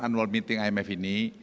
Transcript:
annual meeting imf ini